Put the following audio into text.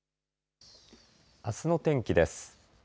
あすの天気です。